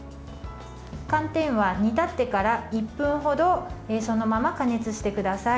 寒天は煮立ってから１分程そのまま加熱してください。